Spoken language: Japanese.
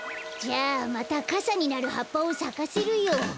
じゃあまたかさになるはっぱをさかせるよ。